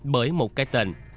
bởi một cái tên